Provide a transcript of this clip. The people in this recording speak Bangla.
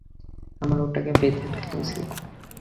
আমরা ওটাকে বেঁধে ফেলেছি।